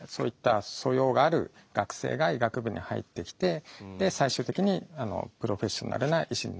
素養がある学生が医学部に入ってきて最終的にプロフェッショナルな医師になる。